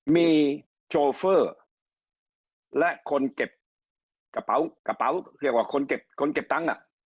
มีโชเฟอร์และคนเก็บกระเป๋าเขียกว่าคนเก็บตังค์